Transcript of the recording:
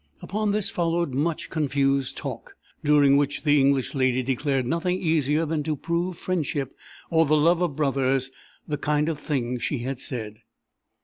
"Upon this followed much confused talk, during which the English lady declared nothing easier than to prove friendship, or the love of brothers, the kind of thing she had said.